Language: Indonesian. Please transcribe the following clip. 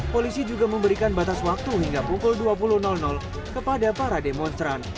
polisi juga memberikan batas waktu hingga pukul dua puluh kepada para demonstran